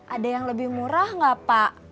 ada yang lebih murah nggak pak